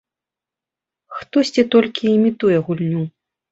Хтосьці толькі імітуе гульню.